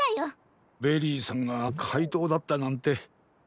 ベリーさんがかいとうだったなんて。